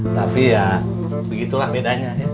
tapi ya begitulah bedanya